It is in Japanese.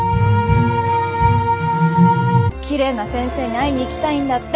きれいな先生に会いに行きたいんだって。